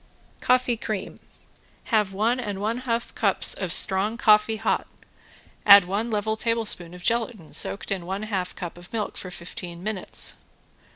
~COFFEE CREAM~ Have one and one half cups of strong coffee hot, add one level tablespoon of gelatin soaked in one half cup of milk for fifteen minutes.